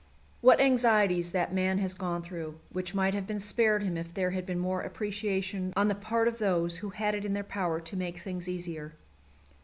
What anxieties that man has gone through, which might have been spared him if there had been more appreciation on the part of those who had it in their power to make things easier!